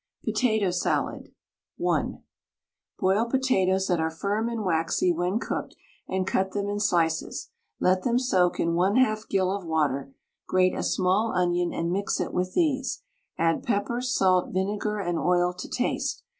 POTATO SALAD (1). Boil potatoes that are firm and waxy when cooked, and cut them in slices; let them soak in 1/2 gill of water, grate a small onion and mix it with these; add pepper, salt, vinegar, and oil to taste.